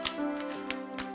bagi kita teman teman